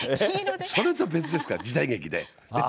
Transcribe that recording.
それと別ですから、時代劇で。